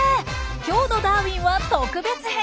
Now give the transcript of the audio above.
今日の「ダーウィン」は特別編。